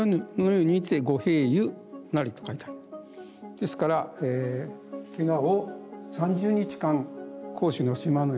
ですからけがを３０日間甲州の島の湯